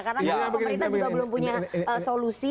karena pemerintah juga belum punya solusi